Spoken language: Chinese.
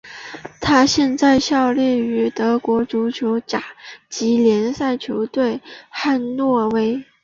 他现在效力于德国足球甲级联赛球队汉诺威。